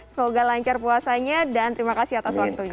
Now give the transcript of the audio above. semoga lancar puasanya dan terima kasih atas waktunya